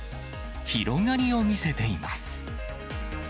広がりを見せています。